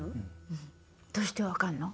うんどうして分かんの？